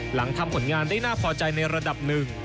หลังทำผลงานได้น่าพอใจในระดับหนึ่ง